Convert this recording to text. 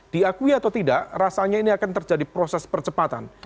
diakui atau tidak rasanya ini akan terjadi proses percepatan